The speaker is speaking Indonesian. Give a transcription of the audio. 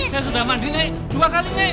saya sudah mandi nek